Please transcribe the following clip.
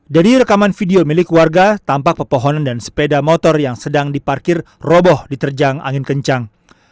dari rekaman video milik warga tampak pepohonan dan sepeda motor yang sedang diparkir roboh diterjang angin kencang